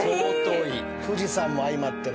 富士山も相まってね。